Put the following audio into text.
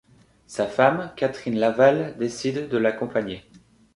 Sa femme, Catherine Laval, décide de l'accompagner.